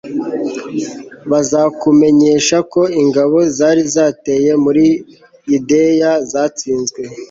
baza kumumenyesha ko ingabo zari zateye muri yudeya zatsinzwe